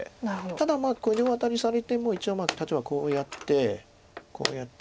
ただ両アタリされても一応例えばこうやってこうやって。